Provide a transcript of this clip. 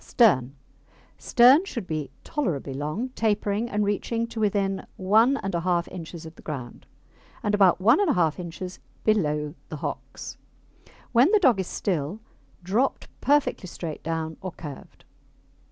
STERN Stern should be tolerably long, tapering, and reaching to within 1 1/2 inches of the ground, and about 1 1/2 inches below the hocks. When the dog is still, dropped perfectly straight down, or curved.